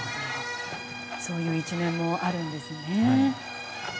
そういう一面もあるんですね。